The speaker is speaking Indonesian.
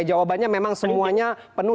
jawabannya memang semuanya penuh